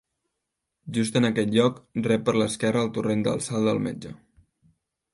Just en aquest lloc rep per l'esquerra el torrent del Salt del Metge.